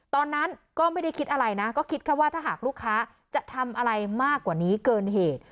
ตอนนั้นก็ไม่ได้คิดอะไรนะก็คิดแค่ว่าถ้าหากลูกค้าจะทำอะไรมากกว่านี้เกินเหตุ